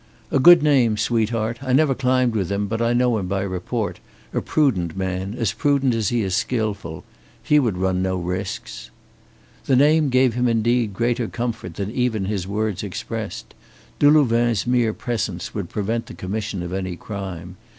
"A good name, sweetheart. I never climbed with him, but I know him by report. A prudent man, as prudent as he is skilful. He would run no risks." The name gave him indeed greater comfort than even his words expressed. Delouvain's mere presence would prevent the commission of any crime.